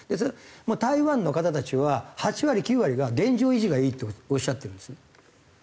もう台湾の方たちは８割９割が現状維持がいいとおっしゃってるんです。